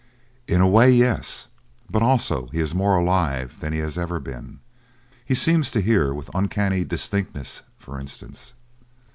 "In a way, yes. But also he is more alive than he has ever been. He seems to hear with uncanny distinctness, for instance."